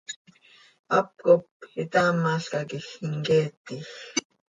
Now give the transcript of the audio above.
Hap cop itaamalca quij imqueetij.